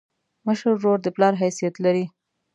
مشر ورور د پلار حیثیت لري.